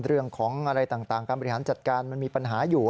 เรื่องของอะไรต่างการบริหารจัดการมันมีปัญหาอยู่